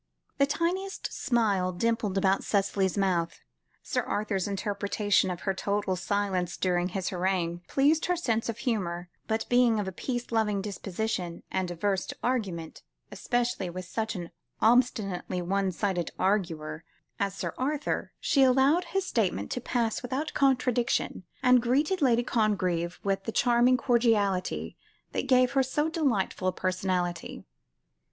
The tiniest smile dimpled about Cicely's mouth. Sir Arthur's interpretation of her total silence during his harangue, pleased her sense of humour, but, being of a peace loving disposition, and averse to argument, especially with such an obstinately one sided arguer as Sir Arthur, she allowed his statement to pass without contradiction, and greeted Lady Congreve with the charming cordiality, that gave her so delightful a personality.